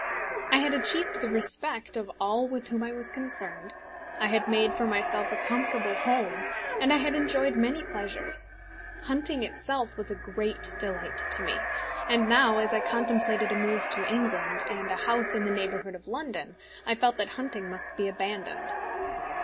I had achieved the respect of all with whom I was concerned, I had made for myself a comfortable home, and I had enjoyed many pleasures. Hunting itself was a great delight to me; and now, as I contemplated a move to England, and a house in the neighbourhood of London, I felt that hunting must be abandoned.